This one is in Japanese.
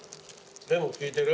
レモン効いてる？